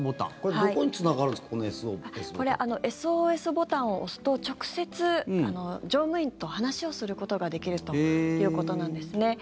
これＳＯＳボタンを押すと直接、乗務員と話をすることができるということなんですね。